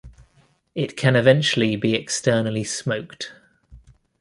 It can eventually be externally smoked.